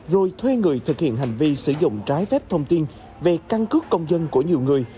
rồi thuê người thực hiện hành vi sử dụng trái phép thông tin về căn cước công dân của nhiều người